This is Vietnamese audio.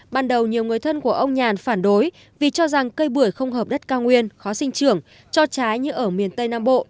ban đầu nhiều người thân của ông nhàn phản đối vì cho rằng cây bưởi không hợp đất cao nguyên khó sinh trưởng cho trái như ở miền tây nam bộ